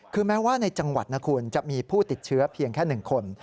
คือแม้ว่าในจังหวัดนะคุณจะมีผู้ติดเชื้อเพียงแค่๑คน